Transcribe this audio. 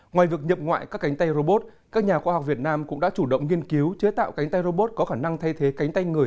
ngoài việc nhập ngoại các cánh tay robot các nhà khoa học việt nam cũng đã chủ động nghiên cứu chế tạo cánh tay robot có khả năng thay thế cánh tay người